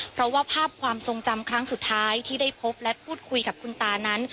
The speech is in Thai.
เพราะว่าภาพความทรงจำครั้งสุดท้ายที่ได้พบและพูดคุยกับคุณตานั้น